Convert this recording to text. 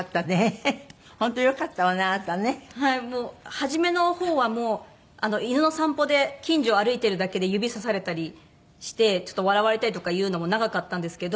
初めの方はもう犬の散歩で近所を歩いてるだけで指さされたりしてちょっと笑われたりとかいうのも長かったんですけど。